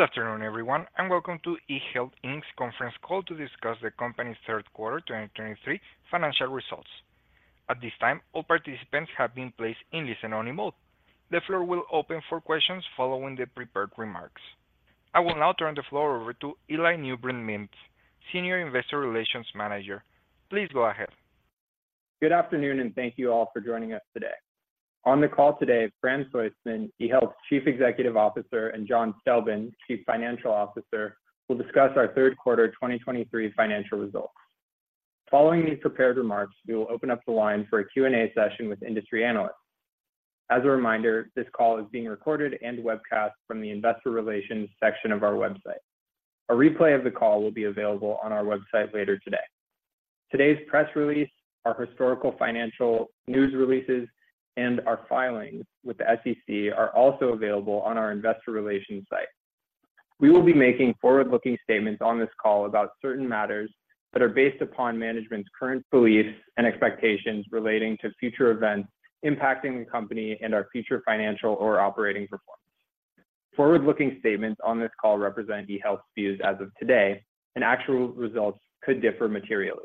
Good afternoon, everyone, and welcome to eHealth, Inc.'s conference call to discuss the company's third quarter 2023 financial results. At this time, all participants have been placed in listen-only mode. The floor will open for questions following the prepared remarks. I will now turn the floor over to Eli Newbrun-Mintz, Senior Investor Relations Manager. Please go ahead. Good afternoon, and thank you all for joining us today. On the call today, Fran Soistman, eHealth's Chief Executive Officer, and John Stelben, Chief Financial Officer, will discuss our third quarter 2023 financial results. Following these prepared remarks, we will open up the line for a Q&A session with industry analysts. As a reminder, this call is being recorded and webcast from the Investor Relations section of our website. A replay of the call will be available on our website later today. Today's press release, our historical financial news releases, and our filings with the SEC are also available on our Investor Relations site. We will be making forward-looking statements on this call about certain matters that are based upon management's current beliefs and expectations relating to future events impacting the company and our future financial or operating performance. Forward-looking statements on this call represent eHealth's views as of today, and actual results could differ materially.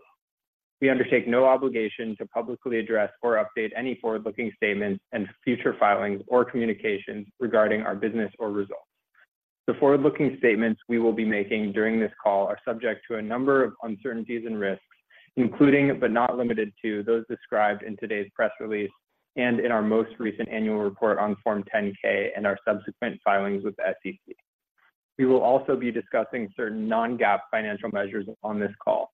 We undertake no obligation to publicly address or update any forward-looking statements in future filings or communications regarding our business or results. The forward-looking statements we will be making during this call are subject to a number of uncertainties and risks, including, but not limited to, those described in today's press release and in our most recent annual report on Form 10-K and our subsequent filings with the SEC. We will also be discussing certain non-GAAP financial measures on this call.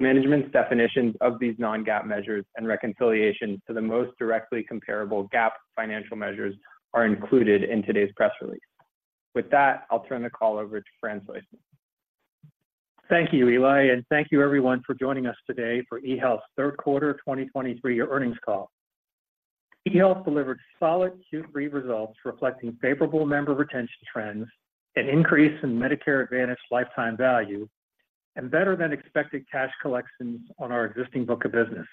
Management's definitions of these non-GAAP measures and reconciliation to the most directly comparable GAAP financial measures are included in today's press release. With that, I'll turn the call over to Fran Soistman. Thank you, Eli, and thank you everyone for joining us today for eHealth's third quarter 2023 earnings call. eHealth delivered solid Q3 results, reflecting favorable member retention trends, an increase in Medicare Advantage lifetime value, and better-than-expected cash collections on our existing book of business.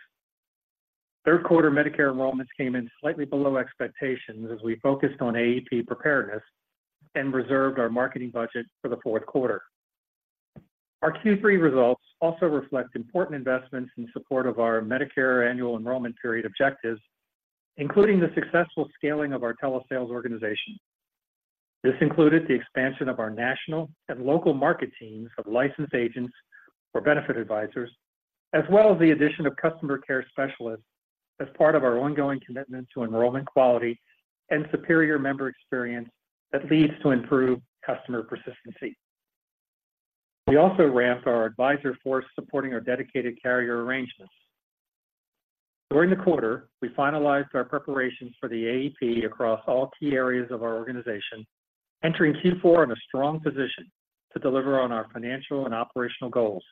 Third quarter Medicare enrollments came in slightly below expectations as we focused on AEP preparedness and reserved our marketing budget for the fourth quarter. Our Q3 results also reflect important investments in support of our Medicare Annual Enrollment Period objectives, including the successful scaling of our telesales organization. This included the expansion of our national and local market teams of licensed agents or benefit advisors, as well as the addition of customer care specialists as part of our ongoing commitment to enrollment quality and superior member experience that leads to improved customer persistency. We also ramped our advisor force supporting our dedicated carrier arrangements. During the quarter, we finalized our preparations for the AEP across all key areas of our organization, entering Q4 in a strong position to deliver on our financial and operational goals.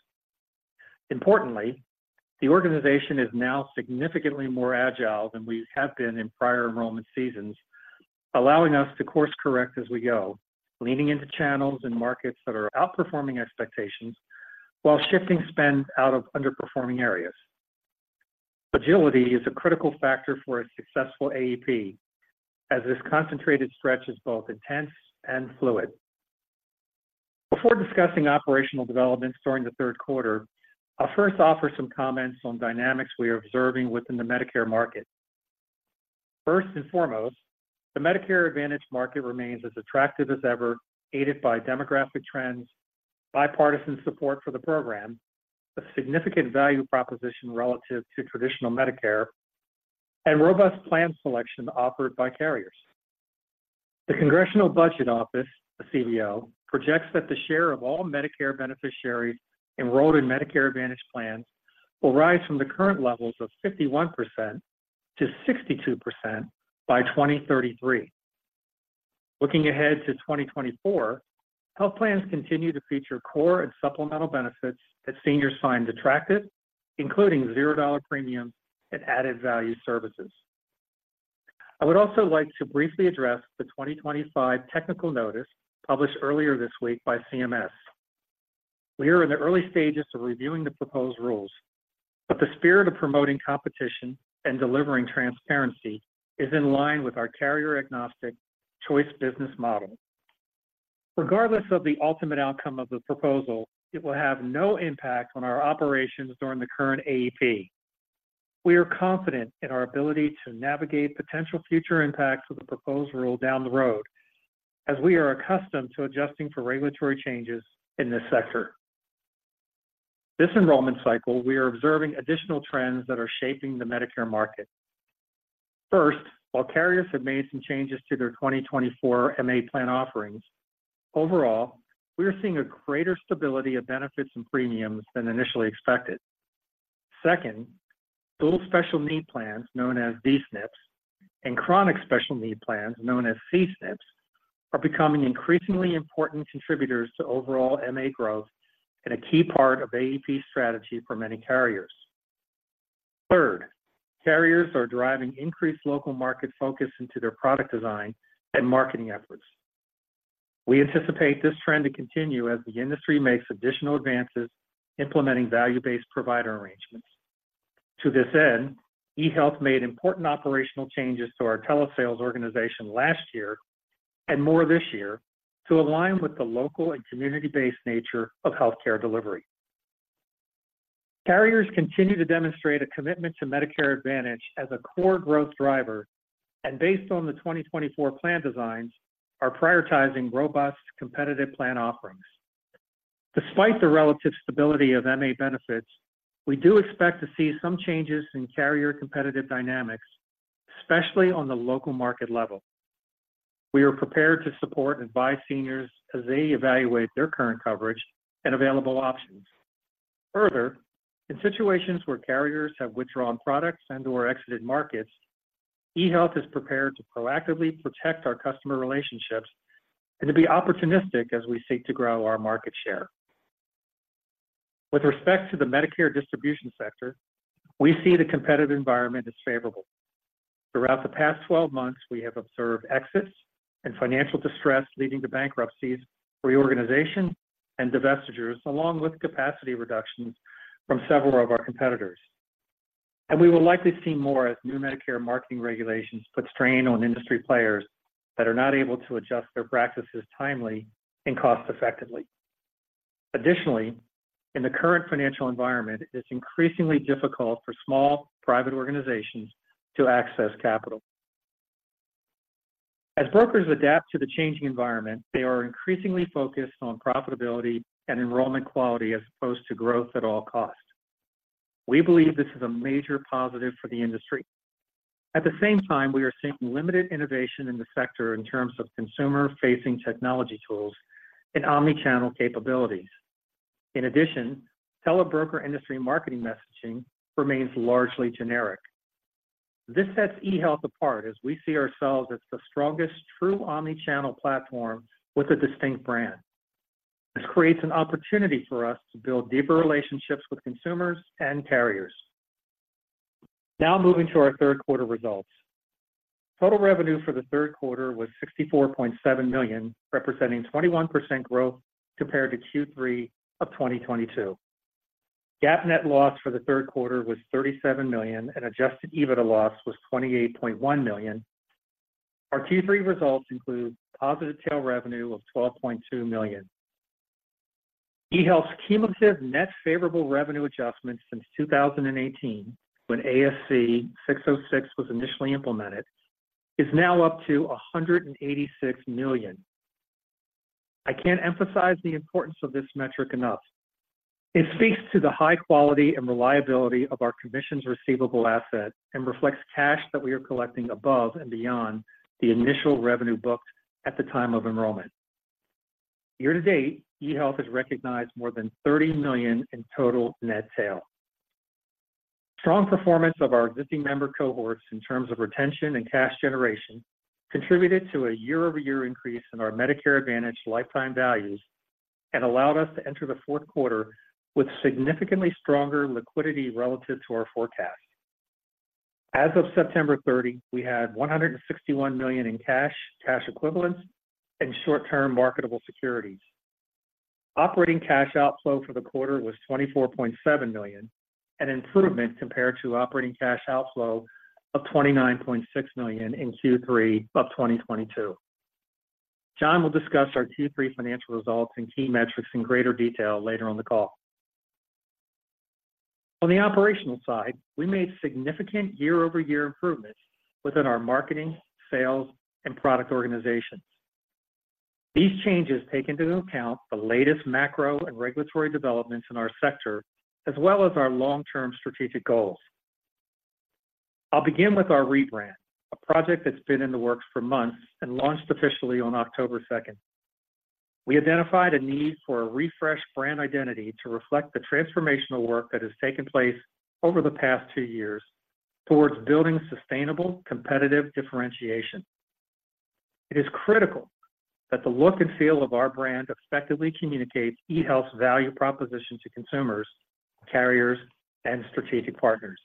Importantly, the organization is now significantly more agile than we have been in prior enrollment seasons, allowing us to course correct as we go, leaning into channels and markets that are outperforming expectations while shifting spend out of underperforming areas. Agility is a critical factor for a successful AEP, as this concentrated stretch is both intense and fluid. Before discussing operational developments during the third quarter, I'll first offer some comments on dynamics we are observing within the Medicare market. First and foremost, the Medicare Advantage market remains as attractive as ever, aided by demographic trends, bipartisan support for the program, a significant value proposition relative to traditional Medicare, and robust plan selection offered by carriers. The Congressional Budget Office, the CBO, projects that the share of all Medicare beneficiaries enrolled in Medicare Advantage plans will rise from the current levels of 51% to 62% by 2033. Looking ahead to 2024, health plans continue to feature core and supplemental benefits that seniors find attractive, including $0 premiums and added value services. I would also like to briefly address the 2025 technical notice published earlier this week by CMS. We are in the early stages of reviewing the proposed rules, but the spirit of promoting competition and delivering transparency is in line with our carrier-agnostic choice business model. Regardless of the ultimate outcome of the proposal, it will have no impact on our operations during the current AEP. We are confident in our ability to navigate potential future impacts of the proposed rule down the road, as we are accustomed to adjusting for regulatory changes in this sector. This enrollment cycle, we are observing additional trends that are shaping the Medicare market. First, while carriers have made some changes to their 2024 MA plan offerings, overall, we are seeing a greater stability of benefits and premiums than initially expected. Second, Dual Special Needs Plans, known as D-SNPs, and Chronic Special Needs Plans, known as C-SNPs, are becoming increasingly important contributors to overall MA growth and a key part of AEP strategy for many carriers. Third, carriers are driving increased local market focus into their product design and marketing efforts. We anticipate this trend to continue as the industry makes additional advances implementing value-based provider arrangements.... To this end, eHealth made important operational changes to our telesales organization last year, and more this year, to align with the local and community-based nature of healthcare delivery. Carriers continue to demonstrate a commitment to Medicare Advantage as a core growth driver, and based on the 2024 plan designs, are prioritizing robust competitive plan offerings. Despite the relative stability of MA benefits, we do expect to see some changes in carrier competitive dynamics, especially on the local market level. We are prepared to support and advise seniors as they evaluate their current coverage and available options. Further, in situations where carriers have withdrawn products and/or exited markets, eHealth is prepared to proactively protect our customer relationships and to be opportunistic as we seek to grow our market share. With respect to the Medicare distribution sector, we see the competitive environment as favorable. Throughout the past 12 months, we have observed exits and financial distress leading to bankruptcies, reorganization, and divestitures, along with capacity reductions from several of our competitors. We will likely see more as new Medicare marketing regulations put strain on industry players that are not able to adjust their practices timely and cost effectively. Additionally, in the current financial environment, it's increasingly difficult for small private organizations to access capital. As brokers adapt to the changing environment, they are increasingly focused on profitability and enrollment quality as opposed to growth at all costs. We believe this is a major positive for the industry. At the same time, we are seeing limited innovation in the sector in terms of consumer-facing technology tools and omnichannel capabilities. In addition, telebroker industry marketing messaging remains largely generic. This sets eHealth apart as we see ourselves as the strongest true omnichannel platform with a distinct brand. This creates an opportunity for us to build deeper relationships with consumers and carriers. Now moving to our third quarter results. Total revenue for the third quarter was $64.7 million, representing 21% growth compared to Q3 of 2022. GAAP net loss for the third quarter was $37 million, and adjusted EBITDA loss was $28.1 million. Our Q3 results include positive tail revenue of $12.2 million. eHealth's cumulative net favorable revenue adjustment since 2018, when ASC 606 was initially implemented, is now up to $186 million. I can't emphasize the importance of this metric enough. It speaks to the high quality and reliability of our commissions receivable asset and reflects cash that we are collecting above and beyond the initial revenue booked at the time of enrollment. Year to date, eHealth has recognized more than $30 million in total net sales. Strong performance of our existing member cohorts in terms of retention and cash generation, contributed to a year-over-year increase in our Medicare Advantage lifetime values and allowed us to enter the fourth quarter with significantly stronger liquidity relative to our forecast. As of September 30, we had $161 million in cash, cash equivalents, and short-term marketable securities. Operating cash outflow for the quarter was $24.7 million, an improvement compared to operating cash outflow of $29.6 million in Q3 of 2022. John will discuss our Q3 financial results and key metrics in greater detail later on the call. On the operational side, we made significant year-over-year improvements within our marketing, sales, and product organizations. These changes take into account the latest macro and regulatory developments in our sector, as well as our long-term strategic goals. I'll begin with our rebrand, a project that's been in the works for months and launched officially on October second. We identified a need for a refreshed brand identity to reflect the transformational work that has taken place over the past two years towards building sustainable, competitive differentiation. It is critical that the look and feel of our brand effectively communicates eHealth's value proposition to consumers, carriers, and strategic partners.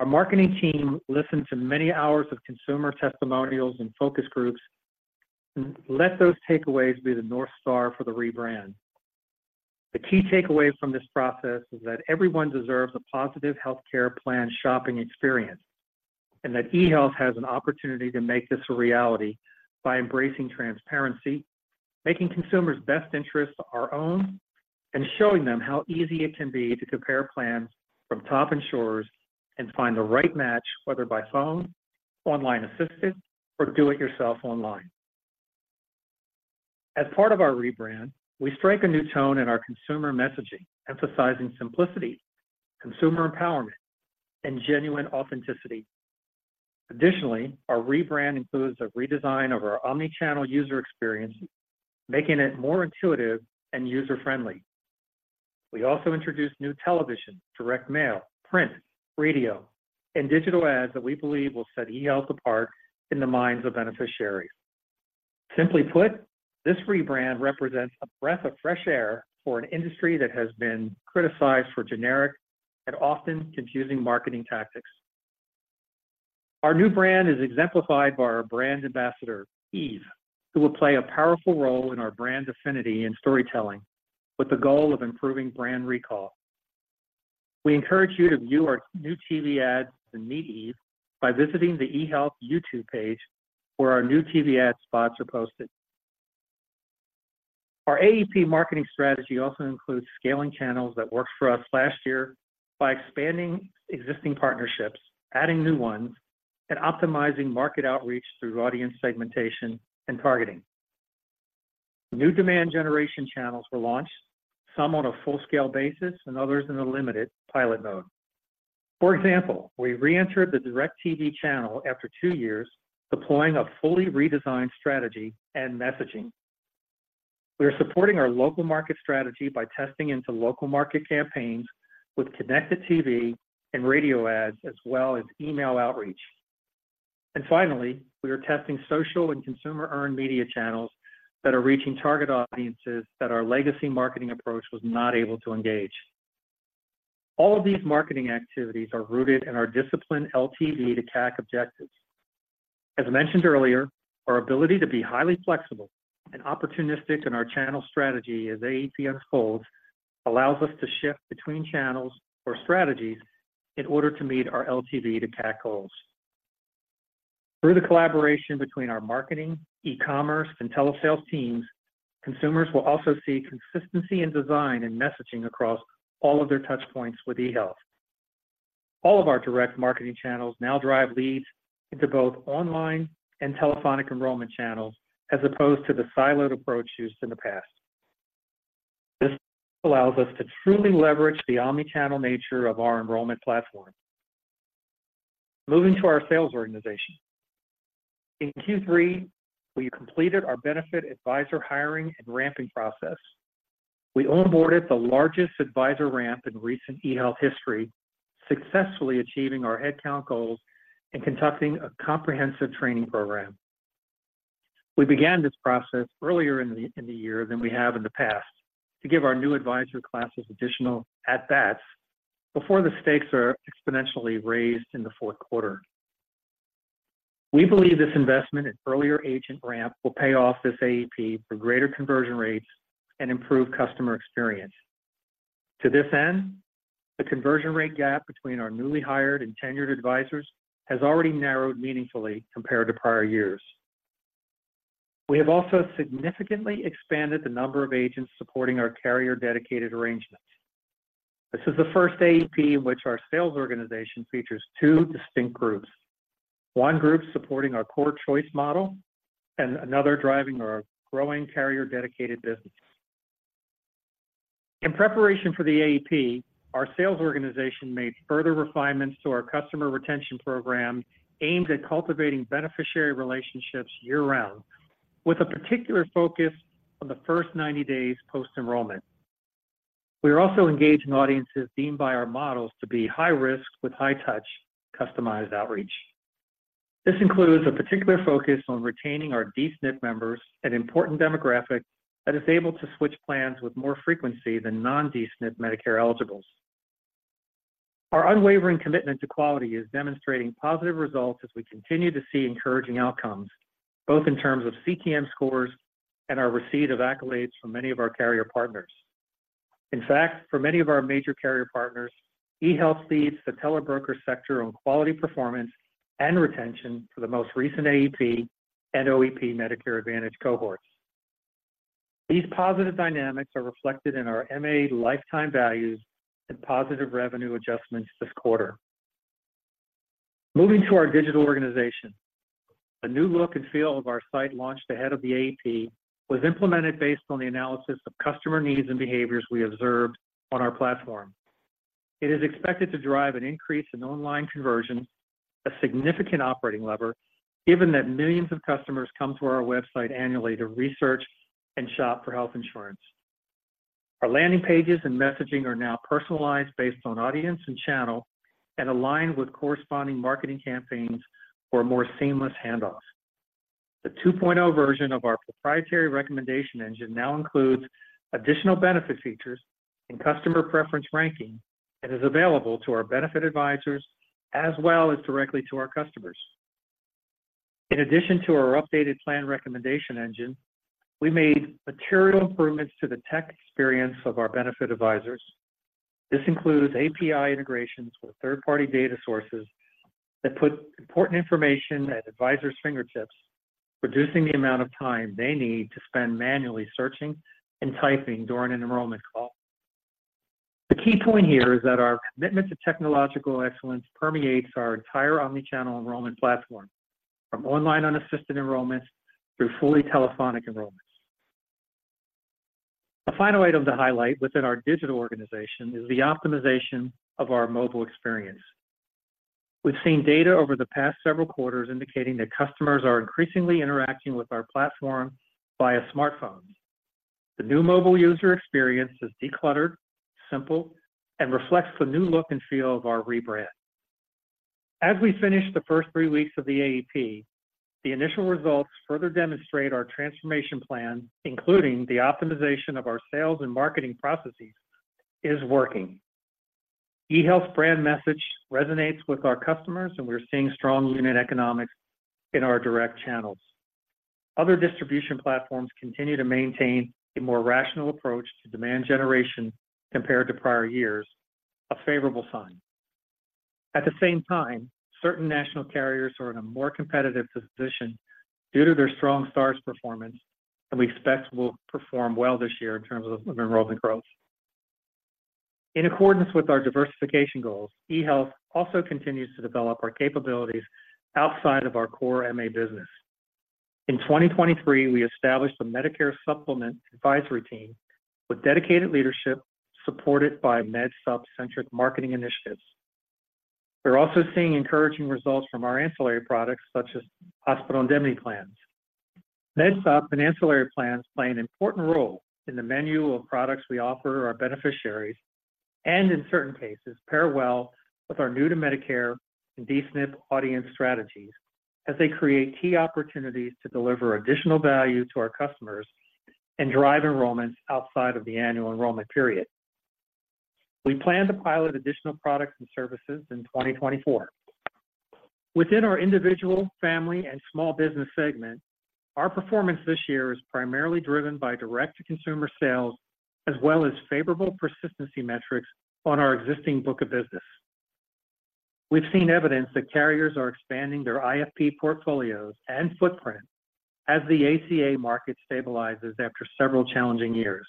Our marketing team listened to many hours of consumer testimonials and focus groups and let those takeaways be the North Star for the rebrand. The key takeaway from this process is that everyone deserves a positive healthcare plan shopping experience, and that eHealth has an opportunity to make this a reality by embracing transparency, making consumers' best interests our own, and showing them how easy it can be to compare plans from top insurers and find the right match, whether by phone, online assistance, or do-it-yourself online. As part of our rebrand, we strike a new tone in our consumer messaging, emphasizing simplicity, consumer empowerment, and genuine authenticity. Additionally, our rebrand includes a redesign of our omnichannel user experience, making it more intuitive and user-friendly. We also introduced new television, direct mail, print, radio, and digital ads that we believe will set eHealth apart in the minds of beneficiaries. Simply put, this rebrand represents a breath of fresh air for an industry that has been criticized for generic and often confusing marketing tactics... Our new brand is exemplified by our brand ambassador, Eve, who will play a powerful role in our brand affinity and storytelling, with the goal of improving brand recall. We encourage you to view our new TV ads and meet Eve by visiting the eHealth YouTube page, where our new TV ad spots are posted. Our AEP marketing strategy also includes scaling channels that worked for us last year by expanding existing partnerships, adding new ones, and optimizing market outreach through audience segmentation and targeting. New demand generation channels were launched, some on a full-scale basis and others in a limited pilot mode. For example, we re-entered the DirecTV channel after two years, deploying a fully redesigned strategy and messaging. We are supporting our local market strategy by testing into local market campaigns with connected TV and radio ads, as well as email outreach. Finally, we are testing social and consumer-earned media channels that are reaching target audiences that our legacy marketing approach was not able to engage. All of these marketing activities are rooted in our disciplined LTV to CAC objectives. As mentioned earlier, our ability to be highly flexible and opportunistic in our channel strategy as AEP unfolds, allows us to shift between channels or strategies in order to meet our LTV to CAC goals. Through the collaboration between our marketing, e-commerce, and telesales teams, consumers will also see consistency in design and messaging across all of their touchpoints with eHealth. All of our direct marketing channels now drive leads into both online and telephonic enrollment channels, as opposed to the siloed approach used in the past. This allows us to truly leverage the omnichannel nature of our enrollment platform. Moving to our sales organization. In Q3, we completed our Benefit Advisor hiring and ramping process. We onboarded the largest advisor ramp in recent eHealth history, successfully achieving our headcount goals and conducting a comprehensive training program. We began this process earlier in the year than we have in the past, to give our new advisor classes additional at-bats before the stakes are exponentially raised in the fourth quarter. We believe this investment in earlier agent ramp will pay off this AEP for greater conversion rates and improved customer experience. To this end, the conversion rate gap between our newly hired and tenured advisors has already narrowed meaningfully compared to prior years. We have also significantly expanded the number of agents supporting our carrier-dedicated arrangements. This is the first AEP in which our sales organization features two distinct groups: one group supporting our core choice model and another driving our growing carrier-dedicated business. In preparation for the AEP, our sales organization made further refinements to our customer retention program, aimed at cultivating beneficiary relationships year-round, with a particular focus on the first 90 days post-enrollment. We are also engaging audiences deemed by our models to be high risk with high touch, customized outreach. This includes a particular focus on retaining our D-SNP members, an important demographic that is able to switch plans with more frequency than non-D-SNP Medicare eligibles. Our unwavering commitment to quality is demonstrating positive results as we continue to see encouraging outcomes, both in terms of CTM scores and our receipt of accolades from many of our carrier partners. In fact, for many of our major carrier partners, eHealth leads the telebroker sector on quality, performance, and retention for the most recent AEP and OEP Medicare Advantage cohorts. These positive dynamics are reflected in our MA lifetime values and positive revenue adjustments this quarter. Moving to our digital organization, a new look and feel of our site launched ahead of the AEP was implemented based on the analysis of customer needs and behaviors we observed on our platform. It is expected to drive an increase in online conversions, a significant operating lever, given that millions of customers come to our website annually to research and shop for health insurance. Our landing pages and messaging are now personalized based on audience and channel, and aligned with corresponding marketing campaigns for a more seamless handoff. The 2.0 version of our proprietary recommendation engine now includes additional benefit features and customer preference ranking, and is available to our benefit advisors as well as directly to our customers. In addition to our updated plan recommendation engine, we made material improvements to the tech experience of our benefit advisors. This includes API integrations with third-party data sources that put important information at advisors' fingertips, reducing the amount of time they need to spend manually searching and typing during an enrollment call. The key point here is that our commitment to technological excellence permeates our entire omnichannel enrollment platform, from online unassisted enrollments through fully telephonic enrollments. A final item to highlight within our digital organization is the optimization of our mobile experience. We've seen data over the past several quarters indicating that customers are increasingly interacting with our platform via smartphones. The new mobile user experience is decluttered, simple, and reflects the new look and feel of our rebrand. As we finish the first three weeks of the AEP, the initial results further demonstrate our transformation plan, including the optimization of our sales and marketing processes, is working. eHealth brand message resonates with our customers, and we're seeing strong unit economics in our direct channels. Other distribution platforms continue to maintain a more rational approach to demand generation compared to prior years, a favorable sign. At the same time, certain national carriers are in a more competitive position due to their strong Stars performance, and we expect will perform well this year in terms of enrollment growth. In accordance with our diversification goals, eHealth also continues to develop our capabilities outside of our core MA business. In 2023, we established a Medicare Supplement Advisory Team with dedicated leadership, supported by Med Supp centric marketing initiatives. We're also seeing encouraging results from our ancillary products, such as hospital indemnity plans. Med Supp and ancillary plans play an important role in the menu of products we offer our beneficiaries, and in certain cases, pair well with our new to Medicare and D-SNP audience strategies, as they create key opportunities to deliver additional value to our customers and drive enrollments outside of the annual enrollment period. We plan to pilot additional products and services in 2024. Within our individual, family, and small business segment, our performance this year is primarily driven by direct-to-consumer sales, as well as favorable persistency metrics on our existing book of business. We've seen evidence that carriers are expanding their IFP portfolios and footprint as the ACA market stabilizes after several challenging years.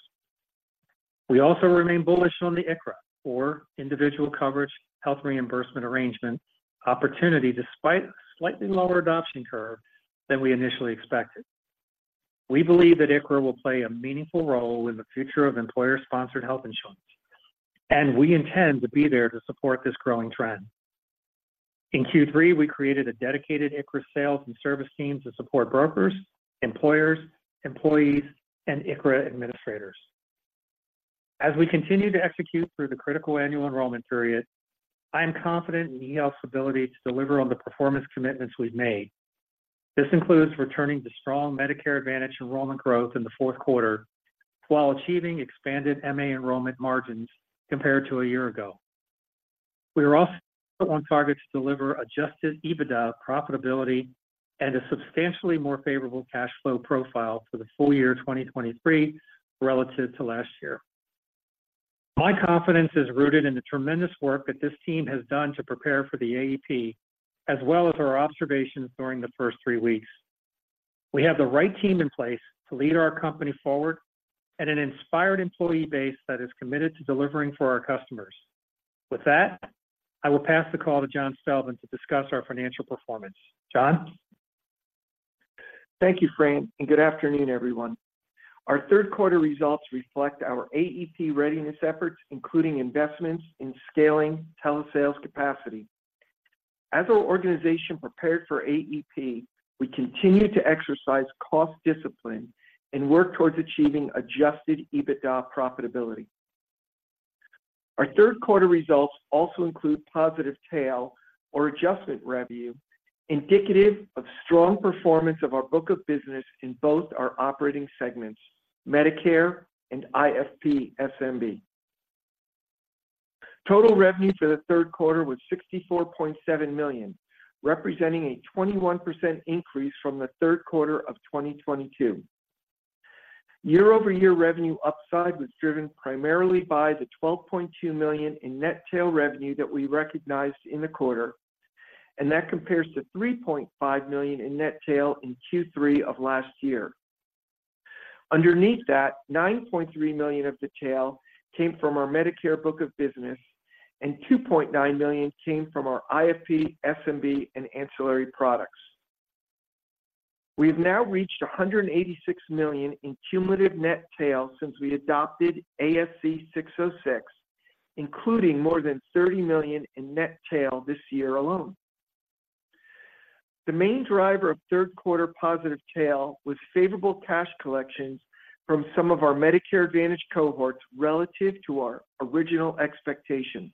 We also remain bullish on the ICHRA, or Individual Coverage Health Reimbursement Arrangement, opportunity, despite a slightly lower adoption curve than we initially expected. We believe that ICHRA will play a meaningful role in the future of employer-sponsored health insurance, and we intend to be there to support this growing trend. In Q3, we created a dedicated ICHRA sales and service team to support brokers, employers, employees, and ICHRA administrators. As we continue to execute through the critical annual enrollment period, I am confident in eHealth's ability to deliver on the performance commitments we've made. This includes returning to strong Medicare Advantage enrollment growth in the fourth quarter, while achieving expanded MA enrollment margins compared to a year ago. We are also on target to deliver adjusted EBITDA profitability and a substantially more favorable cash flow profile for the full year 2023 relative to last year. My confidence is rooted in the tremendous work that this team has done to prepare for the AEP, as well as our observations during the first three weeks. We have the right team in place to lead our company forward and an inspired employee base that is committed to delivering for our customers. With that, I will pass the call to John Stelben to discuss our financial performance. John? Thank you, Fran, and good afternoon, everyone. Our third quarter results reflect our AEP readiness efforts, including investments in scaling telesales capacity. As our organization prepared for AEP, we continued to exercise cost discipline and work towards achieving adjusted EBITDA profitability. Our third quarter results also include positive tail or adjustment revenue, indicative of strong performance of our book of business in both our operating segments, Medicare and IFP/SMB. Total revenue for the third quarter was $64.7 million, representing a 21% increase from the third quarter of 2022. Year-over-year revenue upside was driven primarily by the $12.2 million in net tail revenue that we recognized in the quarter, and that compares to $3.5 million in net tail in Q3 of last year. Underneath that, $9.3 million of the tail came from our Medicare book of business, and $2.9 million came from our IFP, SMB, and ancillary products. We've now reached $186 million in cumulative net tail since we adopted ASC 606, including more than $30 million in net tail this year alone. The main driver of third quarter positive tail was favorable cash collections from some of our Medicare Advantage cohorts relative to our original expectations.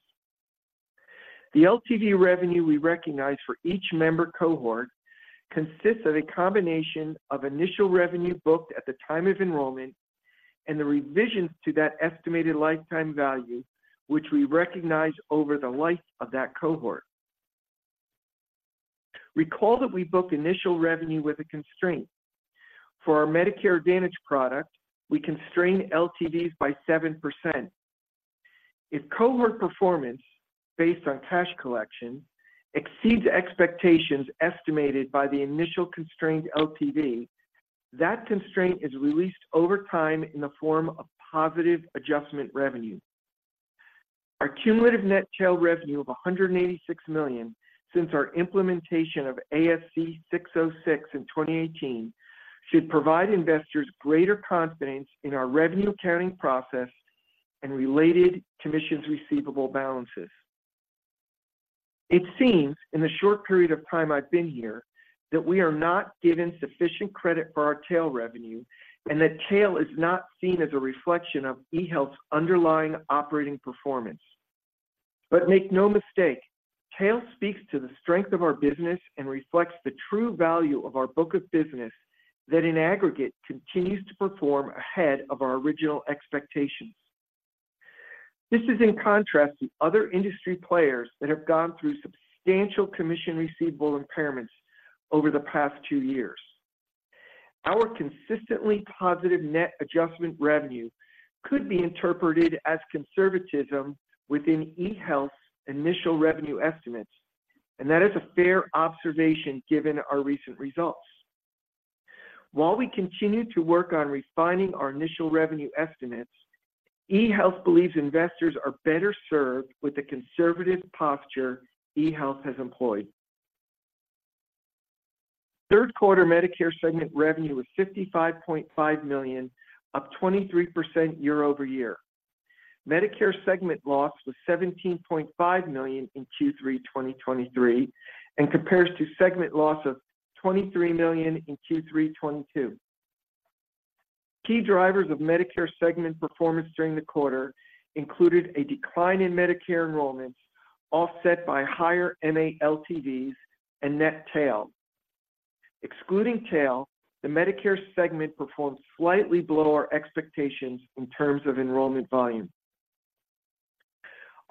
The LTV revenue we recognize for each member cohort consists of a combination of initial revenue booked at the time of enrollment and the revisions to that estimated lifetime value, which we recognize over the life of that cohort. Recall that we book initial revenue with a constraint. For our Medicare Advantage product, we constrain LTVs by 7%. If cohort performance based on cash collection exceeds expectations estimated by the initial constrained LTV, that constraint is released over time in the form of positive adjustment revenue. Our cumulative net tail revenue of $186 million since our implementation of ASC 606 in 2018, should provide investors greater confidence in our revenue accounting process and related commissions receivable balances. It seems, in the short period of time I've been here, that we are not given sufficient credit for our tail revenue, and that tail is not seen as a reflection of eHealth's underlying operating performance.... But make no mistake, tail speaks to the strength of our business and reflects the true value of our book of business that in aggregate, continues to perform ahead of our original expectations. This is in contrast to other industry players that have gone through substantial commission receivable impairments over the past two years. Our consistently positive net adjustment revenue could be interpreted as conservatism within eHealth's initial revenue estimates, and that is a fair observation given our recent results. While we continue to work on refining our initial revenue estimates, eHealth believes investors are better served with the conservative posture eHealth has employed. Third quarter Medicare segment revenue was $55.5 million, up 23% year-over-year. Medicare segment loss was $17.5 million in Q3 2023, and compares to segment loss of $23 million in Q3 2022. Key drivers of Medicare segment performance during the quarter included a decline in Medicare enrollments, offset by higher MA LTVs and net tail. Excluding tail, the Medicare segment performed slightly below our expectations in terms of enrollment volume.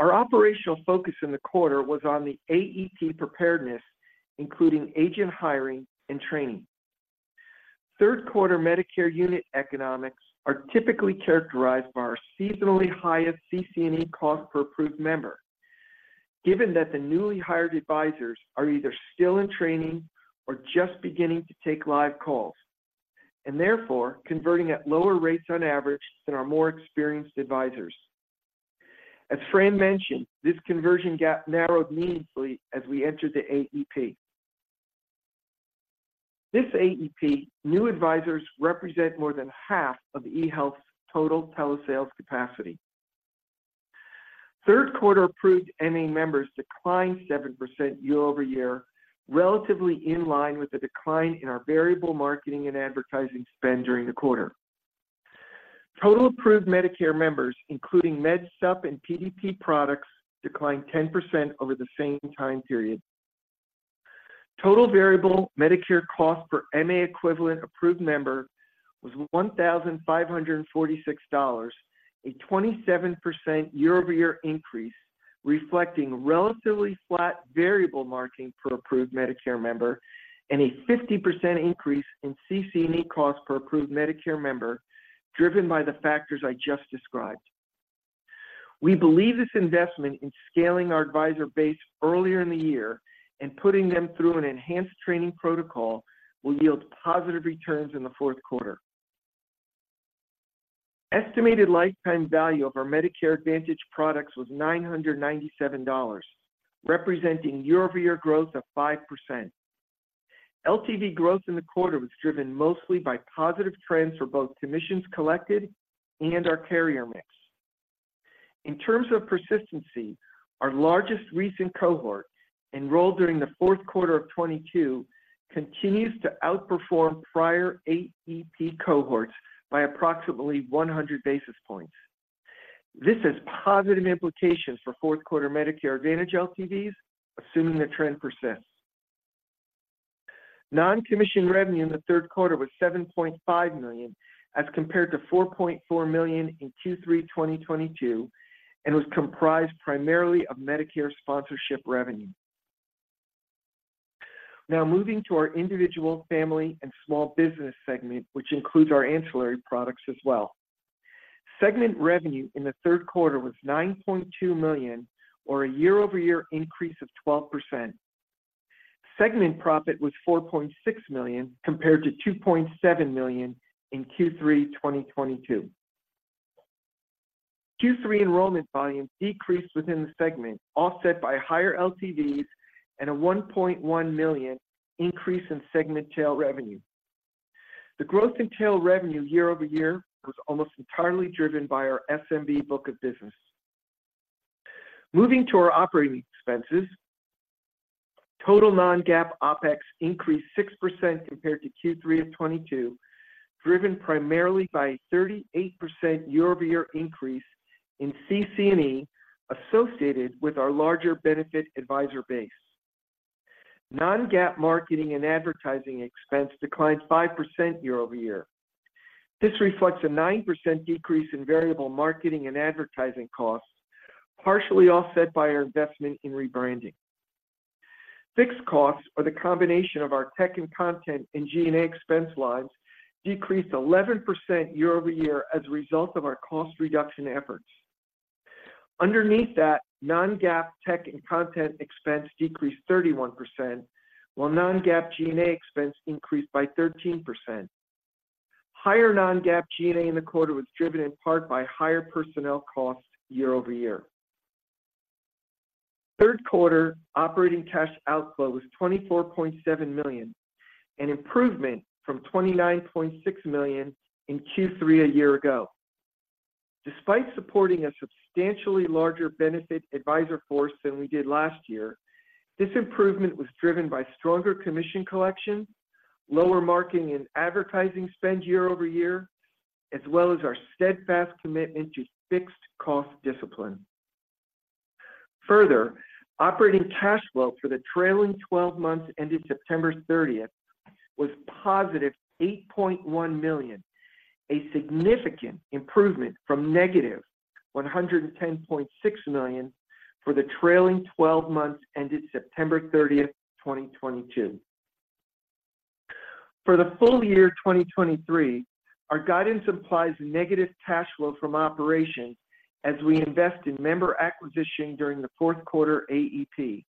Our operational focus in the quarter was on the AEP preparedness, including agent hiring and training. Third quarter Medicare unit economics are typically characterized by our seasonally highest CC&E cost per approved member, given that the newly hired advisors are either still in training or just beginning to take live calls, and therefore converting at lower rates on average than our more experienced advisors. As Fran mentioned, this conversion gap narrowed meaningfully as we entered the AEP. This AEP, new advisors represent more than half of eHealth's total telesales capacity. Third quarter approved MA members declined 7% year-over-year, relatively in line with the decline in our variable marketing and advertising spend during the quarter. Total approved Medicare members, including Med Supp and PDP products, declined 10% over the same time period. Total variable Medicare cost per MA equivalent approved member was $1,546, a 27% year-over-year increase, reflecting relatively flat variable marketing per approved Medicare member, and a 50% increase in CC&E cost per approved Medicare member, driven by the factors I just described. We believe this investment in scaling our advisor base earlier in the year and putting them through an enhanced training protocol will yield positive returns in the fourth quarter. Estimated lifetime value of our Medicare Advantage products was $997, representing year-over-year growth of 5%. LTV growth in the quarter was driven mostly by positive trends for both commissions collected and our carrier mix. In terms of persistency, our largest recent cohort, enrolled during the fourth quarter of 2022, continues to outperform prior AEP cohorts by approximately 100 basis points. This has positive implications for fourth quarter Medicare Advantage LTVs, assuming the trend persists. Non-commission revenue in the third quarter was $7.5 million, as compared to $4.4 million in Q3 2022, and was comprised primarily of Medicare sponsorship revenue. Now, moving to our individual, family, and small business segment, which includes our ancillary products as well. Segment revenue in the third quarter was $9.2 million, or a year-over-year increase of 12%. Segment profit was $4.6 million, compared to $2.7 million in Q3 2022. Q3 enrollment volume decreased within the segment, offset by higher LTVs and a $1.1 million increase in segment tail revenue. The growth in tail revenue year over year was almost entirely driven by our SMB book of business. Moving to our operating expenses, total non-GAAP OpEx increased 6% compared to Q3 of 2022, driven primarily by a 38% year-over-year increase in CC&E associated with our larger benefit advisor base. Non-GAAP marketing and advertising expense declined 5% year-over-year. This reflects a 9% decrease in variable marketing and advertising costs, partially offset by our investment in rebranding. Fixed costs, or the combination of our tech and content in G&A expense lines, decreased 11% year-over-year as a result of our cost reduction efforts. Underneath that, non-GAAP tech and content expense decreased 31%, while non-GAAP G&A expense increased by 13%. Higher non-GAAP G&A in the quarter was driven in part by higher personnel costs year-over-year. Third quarter operating cash outflow was $24.7 million, an improvement from $29.6 million in Q3 a year ago. Despite supporting a substantially larger benefit advisor force than we did last year, this improvement was driven by stronger commission collection, lower marketing and advertising spend year-over-year, as well as our steadfast commitment to fixed cost discipline. Further, operating cash flow for the trailing twelve months ended September 30 was +$8.1 million, a significant improvement from -$110.6 million for the trailing twelve months ended September 30, 2022. For the full year 2023, our guidance implies negative cash flow from operations as we invest in member acquisition during the fourth quarter AEP.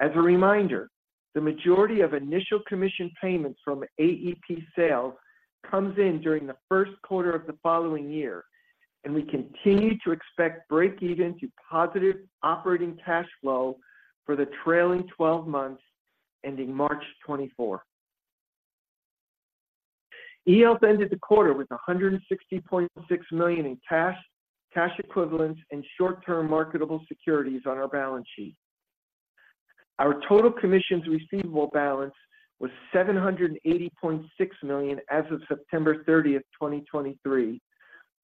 As a reminder, the majority of initial commission payments from AEP sales comes in during the first quarter of the following year, and we continue to expect break even to positive operating cash flow for the trailing twelve months ending March 2024. eHealth ended the quarter with $160.6 million in cash, cash equivalents, and short-term marketable securities on our balance sheet. Our total commissions receivable balance was $780.6 million as of September 30, 2023,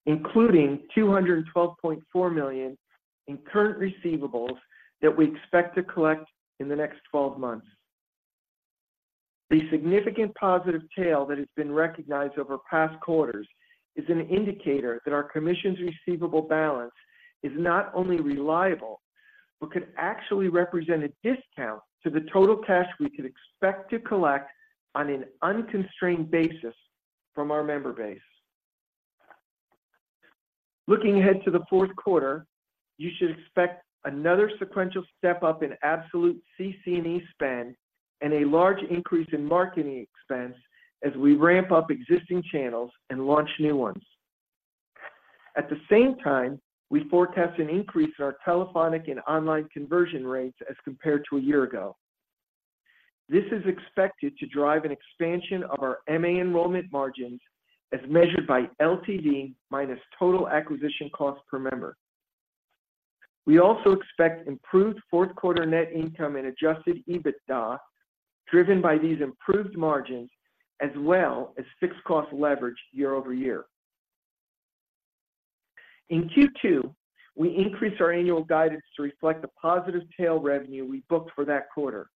including $212.4 million in current receivables that we expect to collect in the next twelve months. The significant positive tail that has been recognized over past quarters is an indicator that our commissions receivable balance is not only reliable, but could actually represent a discount to the total cash we could expect to collect on an unconstrained basis from our member base. Looking ahead to the fourth quarter, you should expect another sequential step up in absolute CC&E spend and a large increase in marketing expense as we ramp up existing channels and launch new ones. At the same time, we forecast an increase in our telephonic and online conversion rates as compared to a year ago. This is expected to drive an expansion of our MA enrollment margins as measured by LTV minus total acquisition cost per member. We also expect improved fourth quarter net income and adjusted EBITDA, driven by these improved margins, as well as fixed cost leverage year-over-year. In Q2, we increased our annual guidance to reflect the positive tail revenue we booked for that quarter.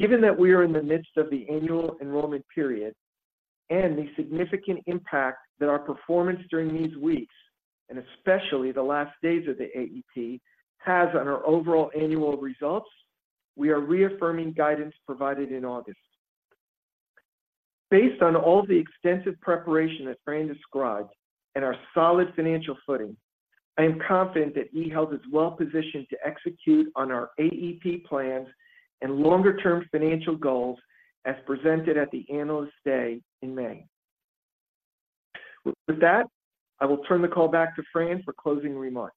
Given that we are in the midst of the annual enrollment period and the significant impact that our performance during these weeks, and especially the last days of the AEP, has on our overall annual results, we are reaffirming guidance provided in August. Based on all the extensive preparation that Fran described and our solid financial footing, I am confident that eHealth is well positioned to execute on our AEP plans and longer-term financial goals as presented at the Analyst Day in May. With that, I will turn the call back to Fran for closing remarks.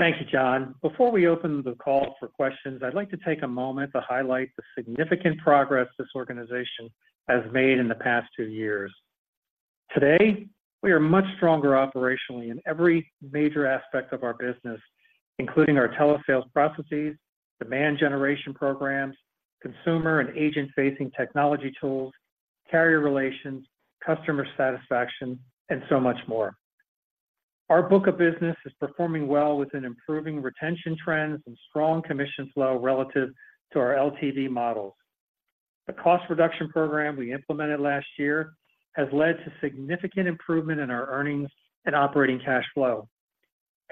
Thank you, John. Before we open the call for questions, I'd like to take a moment to highlight the significant progress this organization has made in the past two years. Today, we are much stronger operationally in every major aspect of our business, including our telesales processes, demand generation programs, consumer and agent-facing technology tools, carrier relations, customer satisfaction, and so much more. Our book of business is performing well with an improving retention trends and strong commission flow relative to our LTV models. The cost reduction program we implemented last year has led to significant improvement in our earnings and operating cash flow.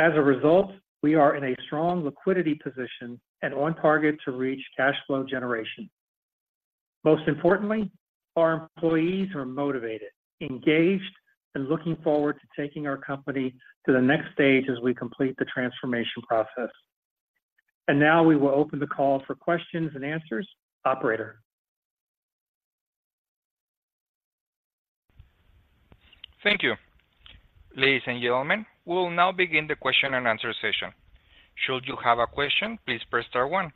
As a result, we are in a strong liquidity position and on target to reach cash flow generation. Most importantly, our employees are motivated, engaged, and looking forward to taking our company to the next stage as we complete the transformation process. Now we will open the call for questions and answers. Operator? Thank you. Ladies and gentlemen, we will now begin the question and answer session. Should you have a question, please press star one.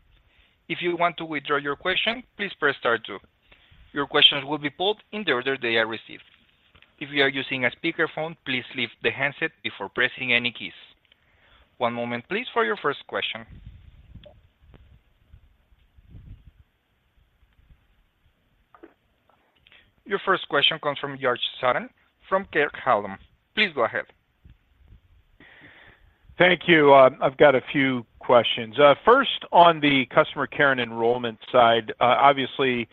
If you want to withdraw your question, please press star two. Your questions will be pulled in the order they are received. If you are using a speakerphone, please leave the handset before pressing any keys. One moment, please, for your first question. Your first question comes from George Sutton from Keefe, Bruyette & Woods. Please go ahead. Thank you. I've got a few questions. First, on the customer care and enrollment side, obviously,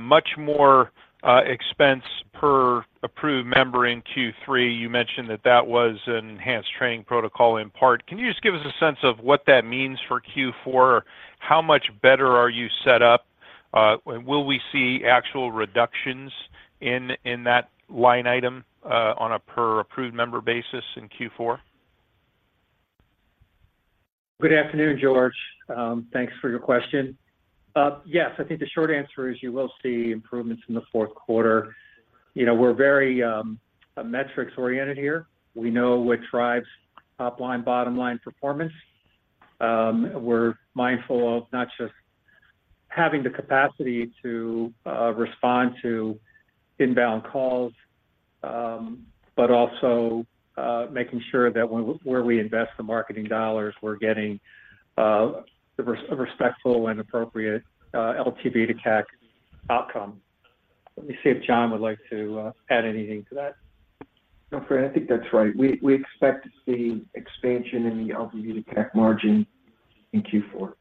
much more expense per approved member in Q3. You mentioned that that was an enhanced training protocol in part. Can you just give us a sense of what that means for Q4? How much better are you set up? And will we see actual reductions in that line item, on a per approved member basis in Q4? Good afternoon, George. Thanks for your question. Yes, I think the short answer is you will see improvements in the fourth quarter. You know, we're very metrics-oriented here. We know what drives top-line, bottom-line performance. We're mindful of not just having the capacity to respond to inbound calls, but also making sure that when, where we invest the marketing dollars, we're getting a respectful and appropriate LTV to CAC outcome. Let me see if John would like to add anything to that. No, Fran, I think that's right. We expect to see expansion in the LTV to CAC margin in Q4.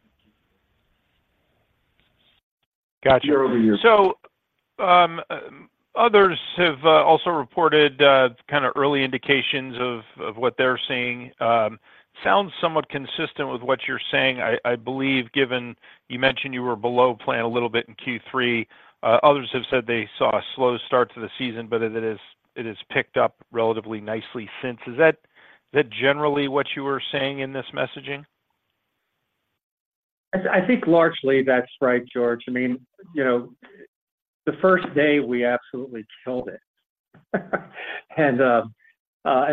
Got you. Over to you. So, others have also reported kind of early indications of what they're seeing. Sounds somewhat consistent with what you're saying. I believe, given you mentioned you were below plan a little bit in Q3, others have said they saw a slow start to the season, but it has picked up relatively nicely since. Is that generally what you were saying in this messaging? I think largely that's right, George. I mean, you know, the first day we absolutely killed it. And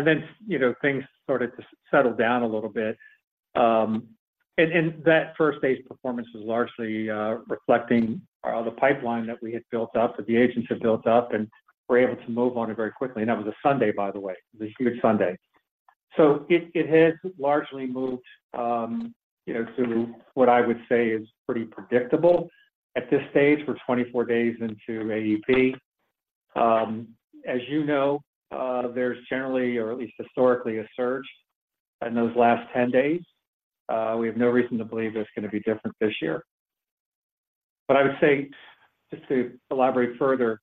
then, you know, things started to settle down a little bit. And that first day's performance was largely reflecting the pipeline that we had built up, that the agents had built up, and we're able to move on it very quickly. And that was a Sunday, by the way, the huge Sunday. So it has largely moved, you know, to what I would say is pretty predictable at this stage. We're 24 days into AEP. As you know, there's generally, or at least historically, a surge in those last 10 days. We have no reason to believe it's gonna be different this year. But I would say, just to elaborate further,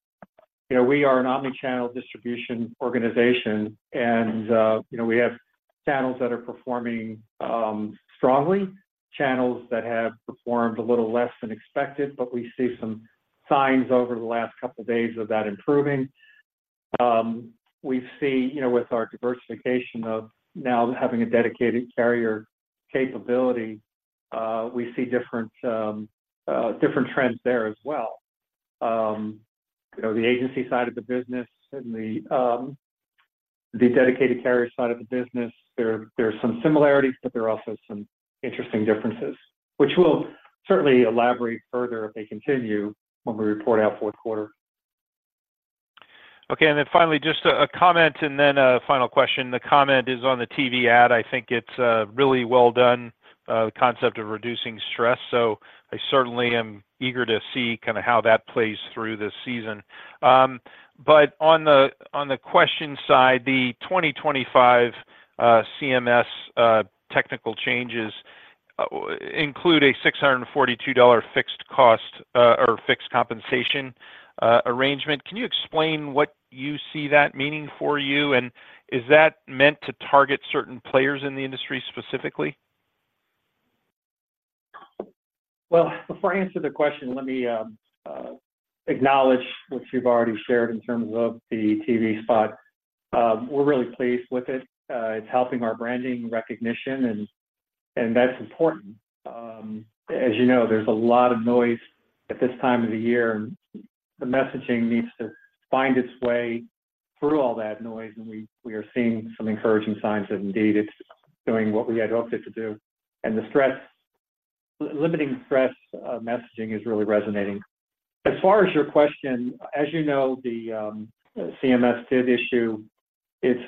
you know, we are an omni-channel distribution organization, and, you know, we have channels that are performing strongly, channels that have performed a little less than expected, but we see some signs over the last couple of days of that improving. We see, you know, with our diversification of now having a dedicated carrier capability, we see different different trends there as well. You know, the agency side of the business and the dedicated carrier side of the business, there, there are some similarities, but there are also some interesting differences, which we'll certainly elaborate further if they continue when we report our fourth quarter. Okay, and then finally, just a comment and then a final question. The comment is on the TV ad. I think it's really well done, the concept of reducing stress, so I certainly am eager to see kind of how that plays through this season. But on the question side, the 2025 CMS technical changes include a $642 fixed cost or fixed compensation arrangement. Can you explain what you see that meaning for you? And is that meant to target certain players in the industry specifically? Well, before I answer the question, let me acknowledge what you've already shared in terms of the TV spot. We're really pleased with it. It's helping our branding recognition, and that's important. As you know, there's a lot of noise at this time of the year. The messaging needs to find its way through all that noise, and we are seeing some encouraging signs that indeed it's doing what we had hoped it to do. And the stress, limiting stress, messaging is really resonating. As far as your question, as you know, the CMS did issue its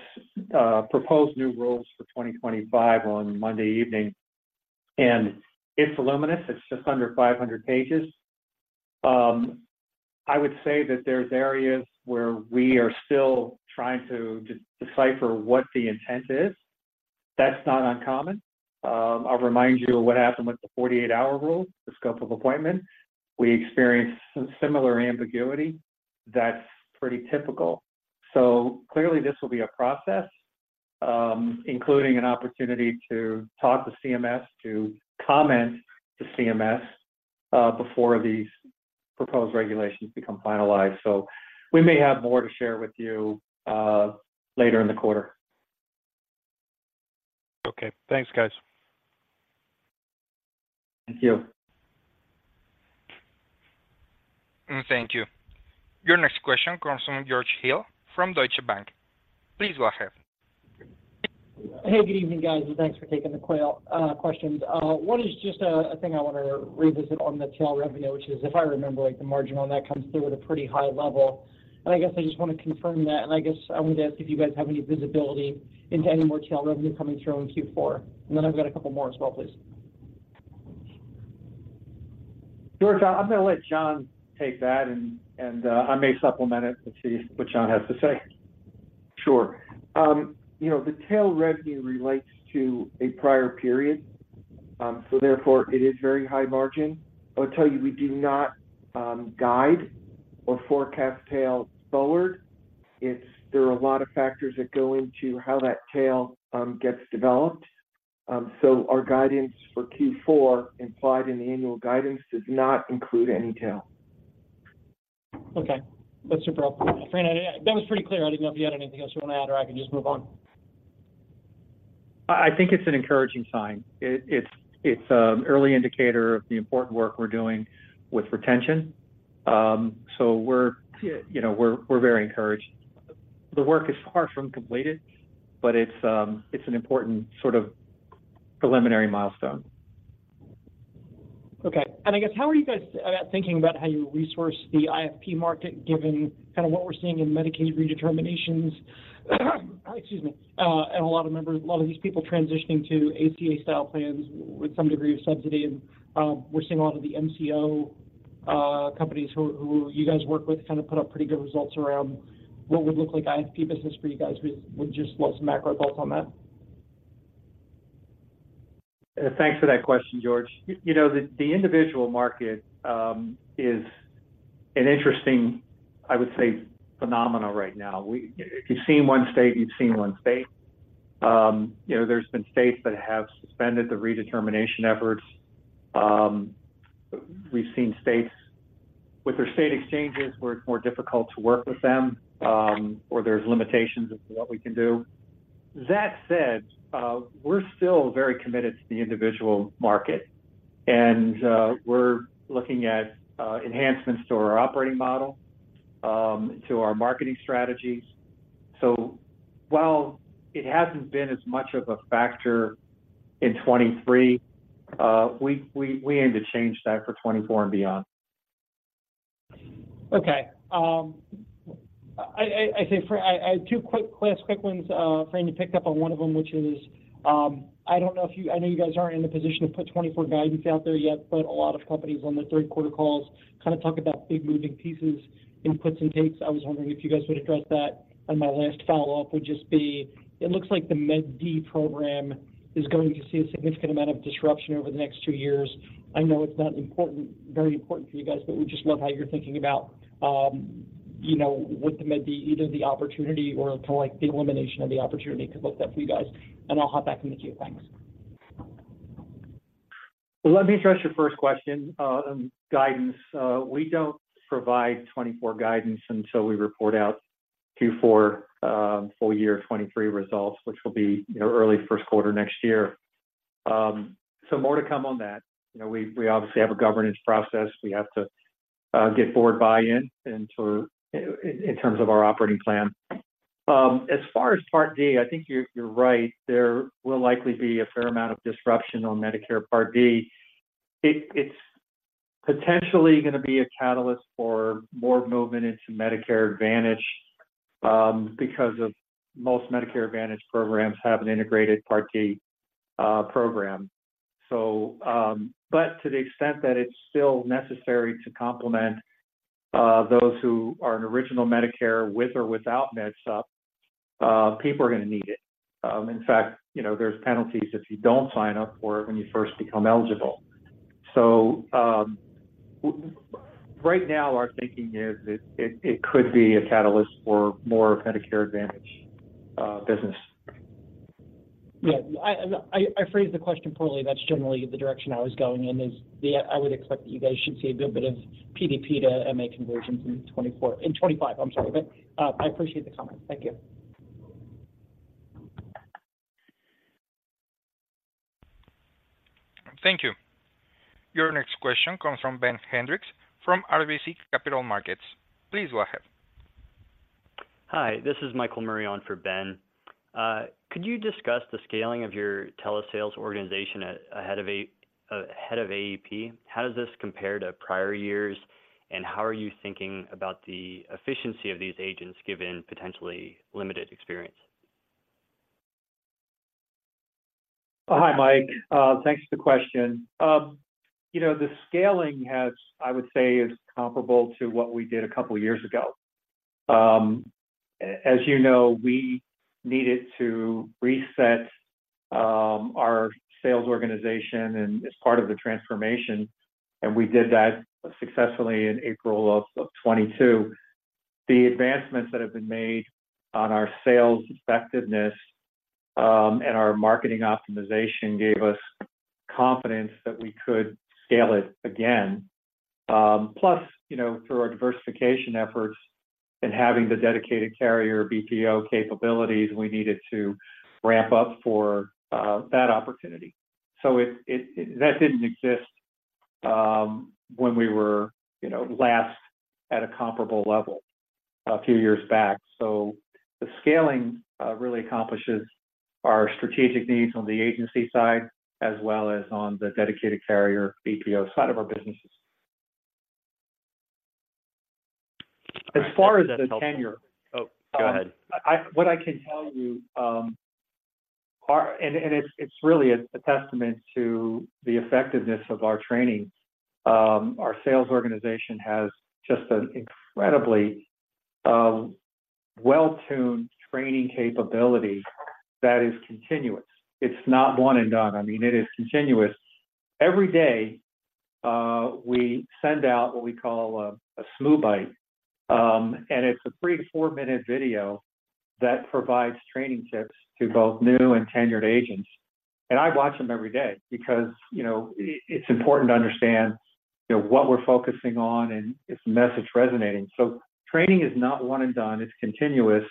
proposed new rules for 2025 on Monday evening, and it's voluminous. It's just under 500 pages. I would say that there's areas where we are still trying to decipher what the intent is. That's not uncommon. I'll remind you of what happened with the 48-hour rule, the scope of appointment. We experienced some similar ambiguity. That's pretty typical. So clearly, this will be a process, including an opportunity to talk to CMS, to comment to CMS, before these proposed regulations become finalized. So we may have more to share with you, later in the quarter. Okay. Thanks, guys. Thank you. Thank you. Your next question comes from George Hill from Deutsche Bank. Please go ahead. Hey, good evening, guys, and thanks for taking the call, questions. What is just a thing I want to revisit on the tail revenue, which is, if I remember, like, the margin on that comes through at a pretty high level. And I guess I just want to confirm that, and I guess I wanted to ask if you guys have any visibility into any more tail revenue coming through in Q4. And then I've got a couple more as well, please. George, I'm gonna let John take that, and I may supplement it to see what John has to say. Sure. You know, the tail revenue relates to a prior period, so therefore, it is very high margin. I'll tell you, we do not guide or forecast tail forward. It's. There are a lot of factors that go into how that tail gets developed. So our guidance for Q4, implied in the annual guidance, does not include any tail. Okay. That's no problem. Fran, that was pretty clear. I didn't know if you had anything else you want to add, or I can just move on. I think it's an encouraging sign. It's an early indicator of the important work we're doing with retention. So we're, you know, we're very encouraged. The work is far from completed, but it's an important sort of preliminary milestone.... Okay, and I guess how are you guys about thinking about how you resource the IFP market, given kind of what we're seeing in Medicaid redeterminations? Excuse me. And a lot of members, a lot of these people transitioning to ACA style plans with some degree of subsidy, and we're seeing a lot of the MCO companies who you guys work with kind of put up pretty good results around what would look like IFP business for you guys. We would just love some macro thoughts on that. Thanks for that question, George. You know, the individual market is an interesting, I would say, phenomena right now. We, if you've seen one state, you've seen one state. You know, there's been states that have suspended the redetermination efforts. We've seen states with their state exchanges, where it's more difficult to work with them, or there's limitations of what we can do. That said, we're still very committed to the individual market, and, we're looking at, enhancements to our operating model, to our marketing strategies. So while it hasn't been as much of a factor in 2023, we aim to change that for 2024 and beyond. Okay. I think I have two quick, last quick ones. Fran, you picked up on one of them, which is, I don't know if you-- I know you guys aren't in a position to put 2024 guidance out there yet, but a lot of companies on the third quarter calls kind of talk about big moving pieces in puts and takes. I was wondering if you guys would address that, and my last follow-up would just be, it looks like the Med D program is going to see a significant amount of disruption over the next two years. I know it's not important, very important for you guys, but we just love how you're thinking about, you know, what the Med D, either the opportunity or kind of like the elimination of the opportunity could look like for you guys. I'll hop back in the queue. Thanks. Let me address your first question on guidance. We don't provide 2024 guidance until we report out Q4 full year 2023 results, which will be, you know, early first quarter next year. So more to come on that. You know, we obviously have a governance process. We have to get board buy-in, and so in terms of our operating plan. As far as Part D, I think you're right, there will likely be a fair amount of disruption on Medicare Part D. It's potentially gonna be a catalyst for more movement into Medicare Advantage because most Medicare Advantage programs have an integrated Part D program. So, but to the extent that it's still necessary to complement those who are in original Medicare, with or without Med Sup, people are gonna need it. In fact, you know, there's penalties if you don't sign up for it when you first become eligible. So, right now, our thinking is that it could be a catalyst for more Medicare Advantage business. Yeah, I phrased the question poorly. That's generally the direction I was going in, is the... I would expect that you guys should see a good bit of PDP to MA conversions in 2024, in 2025, I'm sorry. But I appreciate the comment. Thank you. Thank you. Your next question comes from Ben Hendricks from RBC Capital Markets. Please go ahead. Hi, this is Michael Murray on for Ben. Could you discuss the scaling of your telesales organization ahead of AEP? How does this compare to prior years, and how are you thinking about the efficiency of these agents, given potentially limited experience? Hi, Mike, thanks for the question. You know, the scaling has, I would say, is comparable to what we did a couple of years ago. As you know, we needed to reset our sales organization and as part of the transformation, and we did that successfully in April of 2022. The advancements that have been made on our sales effectiveness and our marketing optimization gave us confidence that we could scale it again. Plus, you know, through our diversification efforts and having the dedicated carrier BPO capabilities, we needed to ramp up for that opportunity. So that didn't exist when we were, you know, last at a comparable level a few years back. So the scaling really accomplishes our strategic needs on the agency side, as well as on the dedicated carrier BPO side of our businesses. As far as the tenure- Oh, go ahead. What I can tell you are... And it's really a testament to the effectiveness of our training. Our sales organization has just an incredibly well-tuned training capability that is continuous. It's not one and done. I mean, it is continuous. Every day we send out what we call a Snooze Bite, and it's a 3-4-minute video that provides training tips to both new and tenured agents. And I watch them every day because, you know, it's important to understand, you know, what we're focusing on and if the message resonating. So training is not one and done, it's continuous,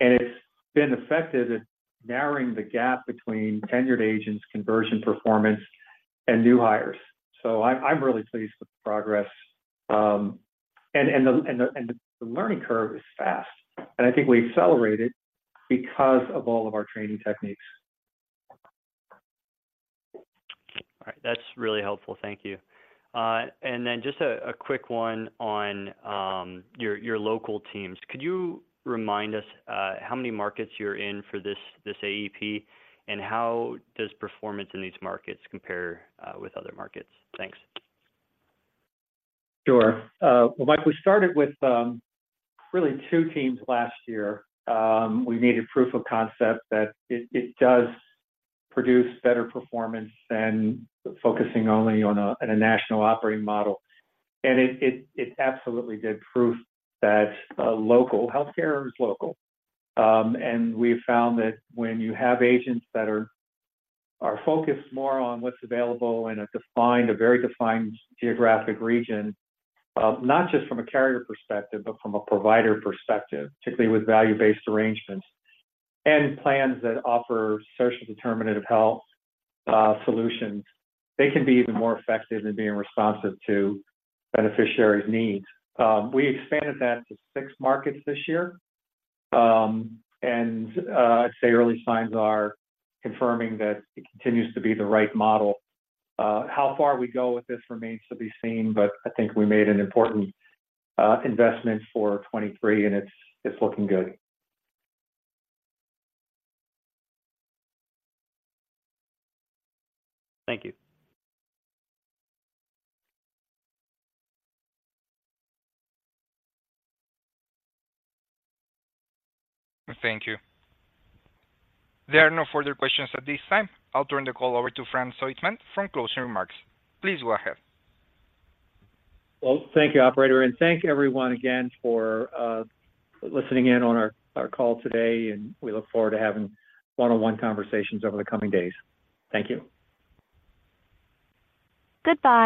and it's been effective at narrowing the gap between tenured agents, conversion performance, and new hires. So I'm really pleased with the progress... And the learning curve is fast, and I think we accelerated because of all of our training techniques. All right. That's really helpful. Thank you. And then just a quick one on your local teams. Could you remind us how many markets you're in for this AEP? And how does performance in these markets compare with other markets? Thanks. Sure. Well, Mike, we started with really two teams last year. We needed proof of concept that it does produce better performance than focusing only on a national operating model. And it absolutely did prove that local healthcare is local. And we found that when you have agents that are focused more on what's available in a defined, very defined geographic region, not just from a carrier perspective, but from a provider perspective, particularly with value-based arrangements and plans that offer social determinant of health solutions, they can be even more effective in being responsive to beneficiaries' needs. We expanded that to six markets this year. And I'd say early signs are confirming that it continues to be the right model. How far we go with this remains to be seen, but I think we made an important investment for 2023, and it's looking good. Thank you. Thank you. There are no further questions at this time. I'll turn the call over to Fran Soistman for closing remarks. Please go ahead. Well, thank you, operator, and thank everyone again for listening in on our call today, and we look forward to having one-on-one conversations over the coming days. Thank you. Goodbye.